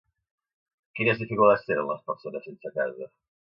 Quines dificultats tenen les persones sense casa?